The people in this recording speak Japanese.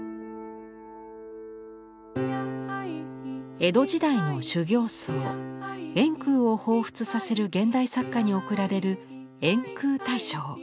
江戸時代の修行僧円空をほうふつさせる現代作家に贈られる「円空大賞」。